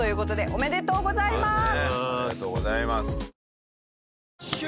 おめでとうございます。